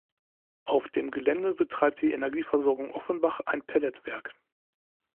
Auf dem Gelände betreibt die Energieversorgung Offenbach ein Pellet-Werk.